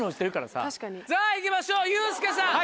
さぁ行きましょうユースケさん